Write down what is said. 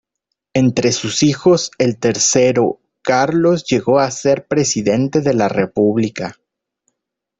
Entre sus hijos, el tercero, Carlos llegó a ser Presidente de la República.